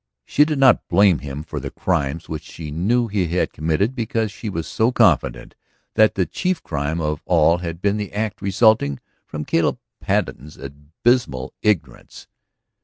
She did not blame him for the crimes which she knew he had committed because she was so confident that the chief crime of all had been the act resulting from Caleb Patten's abysmal ignorance.